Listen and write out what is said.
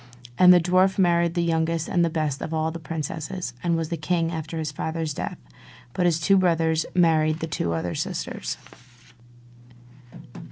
And the dwarf married the youngest and the best of the princesses, and was king after her father's death; but his two brothers married the other two sisters.